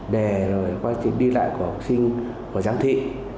để rồi quay trình đi lại của học sinh của giám thị